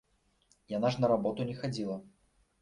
Яна ж на работу не хадзіла.